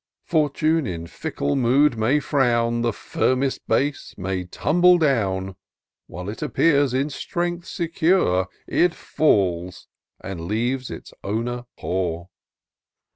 Fortune in fickle mood may frown ; The firmest base may tumble down; While it appears in strength secure. It Mb, and leaves its owner poor.